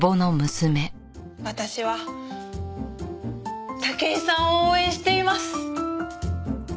私は武井さんを応援しています。